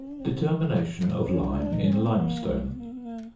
~Determination of Lime in Limestone.